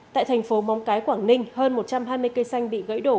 tại thành phố móng cái quảng ninh hơn một trăm hai mươi cây xanh bị gãy đổ